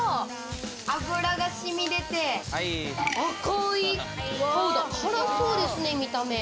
脂が染み出て赤いパウダー、辛そうですね、見た目。